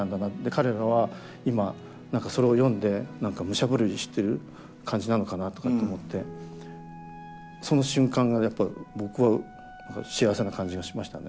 彼らは今何かそれを読んで何か武者震いしてる感じなのかなとかって思ってその瞬間がやっぱ僕は幸せな感じがしましたね。